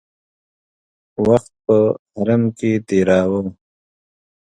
وخت په حرم کې تېراوه.